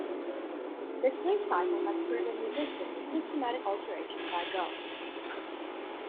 The sleep cycle has proven resistant to systematic alteration by drugs.